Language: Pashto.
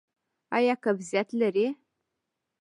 ایا قبضیت لرئ؟